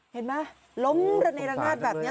เห็นมั้ยล้มละนาดแบบนี้